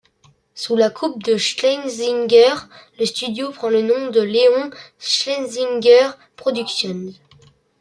Sous la coupe de Schlesinger, le studio prend le nom de Leon Schlesinger Productions.